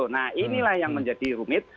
nah inilah yang menjadi rumit